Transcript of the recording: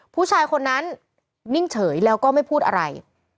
ผู้ชายคนนั้นนิ่งเฉยแล้วก็ไม่พูดอะไร